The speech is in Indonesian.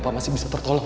papa masih bisa tertolong